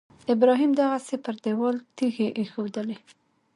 ابراهیم دغسې پر دېوال تیږې ایښودلې.